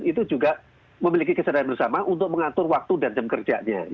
itu juga memiliki kesadaran bersama untuk mengatur waktu dan jam kerjanya